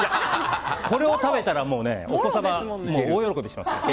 これを食べたらお子様、絶対大喜びしますよ。